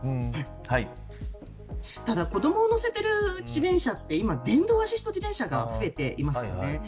子どもを乗せている自転車で今は電動アシスト自転車が増えてますよね。